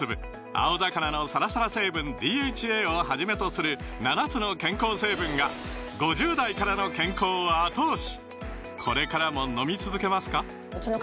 青魚のサラサラ成分ＤＨＡをはじめとする７つの健康成分が５０代からの健康を後押し！